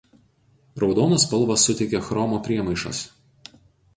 Raudoną spalvą suteikia chromo priemaišos.